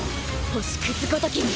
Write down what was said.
星屑ごときに。